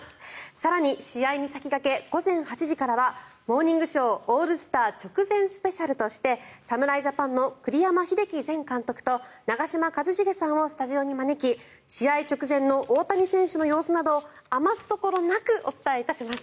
更に試合に先駆け午前８時からは「モーニングショー」オールスター直前スペシャルとして侍ジャパンの栗山英樹前監督と長嶋一茂さんをスタジオに招き試合直前の大谷選手の様子などを余すところなくお伝えいたします。